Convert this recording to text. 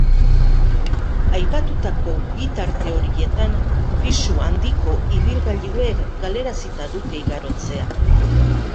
Aipatutako bi tarte horietan pisu handiko ibilgailuek galarazita dute igarotzea.